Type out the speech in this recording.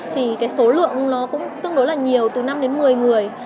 thì cái số lượng nó cũng tương đối là nhiều từ năm đến một mươi người